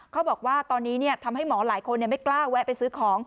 เขาบอกว่าตอนนี้ทำให้หมอหลายคนไม่กล้าแวะไปซื้อของ